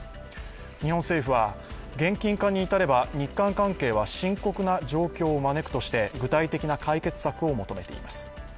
日本政府は、現金化に至れば日韓関係は深刻な状況を招くとして具体的な解決策を求めています。